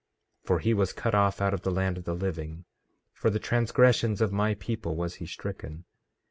For he was cut off out of the land of the living; for the transgressions of my people was he stricken.